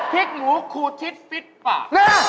พริกหมูคูทิศฟิตปาก